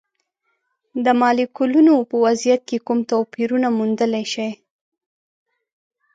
د مالیکولونو په وضعیت کې کوم توپیرونه موندلی شئ؟